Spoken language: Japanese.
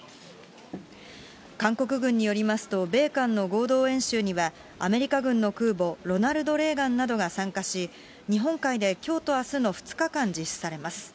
韓国軍によりますと、米韓の合同演習には、アメリカ軍の空母、ロナルド・レーガンなどが参加し、日本海できょうとあすの２日間実施されます。